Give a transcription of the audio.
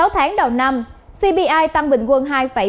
sáu tháng đầu năm cpi tăng bình quân hai bốn mươi bốn